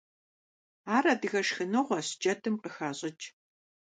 Ар адыгэ шхыныгъуэщ, джэдым къыхащӏыкӏ.